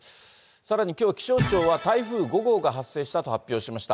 さらに、きょう、気象庁は台風５号が発生したと発表しました。